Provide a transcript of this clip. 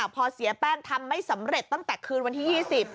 พอเสียแป้งทำไม่สำเร็จตั้งแต่คืนวันที่๒๐